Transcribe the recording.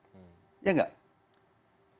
masa mau dipenjarakan satu lima tahun